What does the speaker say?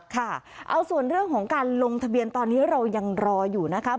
ค่ะเอาส่วนเรื่องของการลงทะเบียนตอนนี้เรายังรออยู่นะคะ